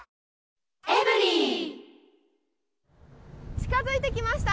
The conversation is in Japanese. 近づいてきました。